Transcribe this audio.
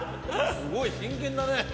すごい真剣だね。